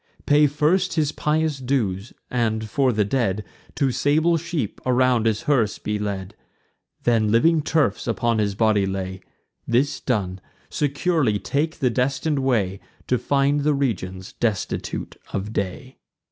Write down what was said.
Pay first his pious dues; and, for the dead, Two sable sheep around his hearse be led; Then, living turfs upon his body lay: This done, securely take the destin'd way, To find the regions destitute of day."